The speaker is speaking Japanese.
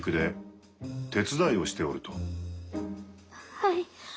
はい。